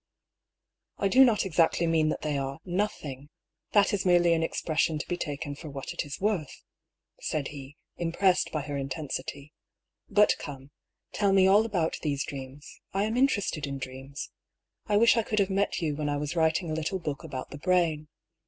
"" I do not exactly mean that they are nothing^ that is merely an expression to be taken for what it is worth," said he, impressed by her intensity. " But come, tell me all about these dreams ; I am interested in dreams. I wish I could have met you when I was writing a little book about the brain.